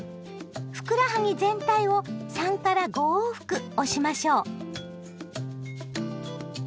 ふくらはぎ全体を３５往復押しましょう。